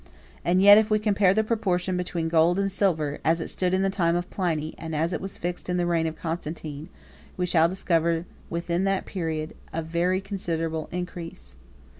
And yet, if we compare the proportion between gold and silver, as it stood in the time of Pliny, and as it was fixed in the reign of Constantine, we shall discover within that period a very considerable increase.